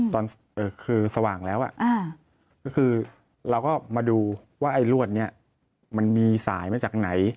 ตอนคือสว่างแล้วก็คือเราก็มาดูว่าไอ้รวดนี้มันมีสายมาจากไหน